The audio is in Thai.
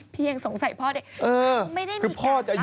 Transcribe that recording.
ยังสงสัยพ่อเด็ก